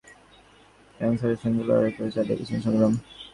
কিন্তু বিন্দুমাত্র দমে না গিয়ে ক্যানসারের সঙ্গে লড়াই করে চালিয়ে গেছেন সংগ্রাম।